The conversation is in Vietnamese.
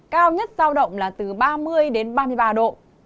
cao nhất giao động là từ ba mươi đến ba mươi ba độ